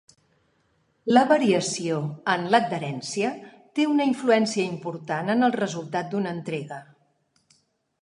La variació en l'adherència té una influència important en el resultat d'una entrega.